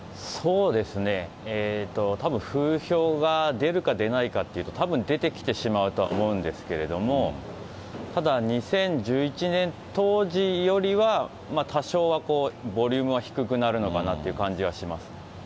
たぶん、風評が出るか出ないかっていうと、たぶん出てきてしまうとは思うんですけれども、ただ、２０１１年当時よりは、多少はボリュームは低くなるのかなっていう感じはします。